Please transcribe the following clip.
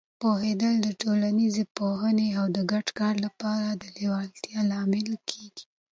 پوهېدل د ټولنیزې پوهې او د ګډ کار لپاره د لیوالتیا لامل کېږي.